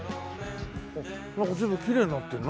なんか随分きれいになってる。